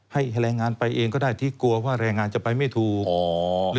ให้แรงงานไปเองก็ได้ที่กลัวว่าแรงงานจะไปไม่ถูก